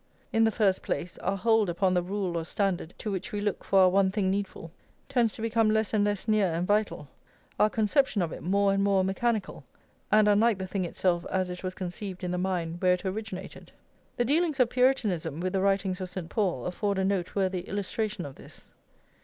In the first place, our hold upon the rule or standard to which we look for our one thing needful, tends to become less and less near and vital, our conception of it more and more mechanical, and unlike the thing itself as it was conceived in the mind where it originated. The dealings of Puritanism with the writings of St. Paul afford a noteworthy illustration of this.